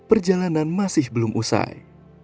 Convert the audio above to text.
perjalanan masih belum usai